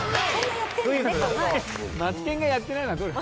マツケンがやってないのはどれだ？